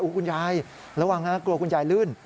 คุณยายระวังนะกลัวคุณยายลื่น